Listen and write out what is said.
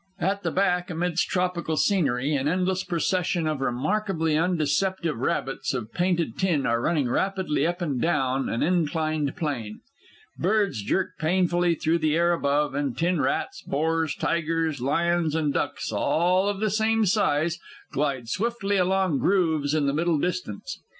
_At the back, amidst tropical scenery, an endless procession of remarkably undeceptive rabbits of painted tin are running rapidly up and down an inclined plane. Birds jerk painfully through the air above, and tin rats, boars, tigers, lions, and ducks, all of the same size, glide swiftly along grooves in the middle distance.